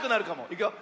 いくよ。